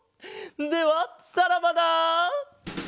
ではさらばだ！